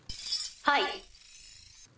はい。